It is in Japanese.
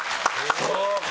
そうか！